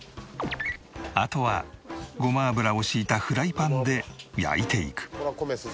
あとはごま油を敷いたフライパンで焼いていく。